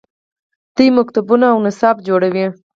دوی مکتبونه او نصاب جوړوي.